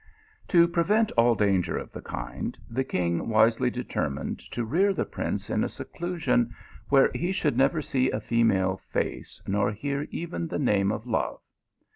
To prevent all danger of the kind, the king wisely determined to rear the prince in a seclusion, where he should never see a female face nor hear even the name of love.